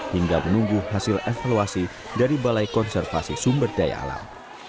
hingga menunggu hasil evaluasi dari balai konservasi sumber daya alam